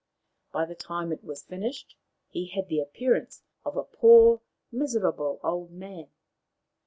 By the time it was finished he had the appearance of a poor, miserable old man.